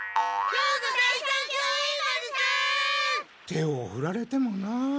手をふられてもなあ。